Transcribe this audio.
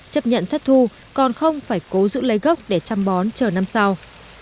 chấp nhận thất thu còn không phải cố giữ lấy gốc để chăm bón chờ năm sau